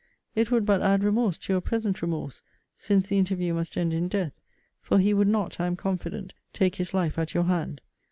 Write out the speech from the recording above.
It would but add remorse to your present remorse; since the interview must end in death; for he would not, I am confident, take his life at your hand.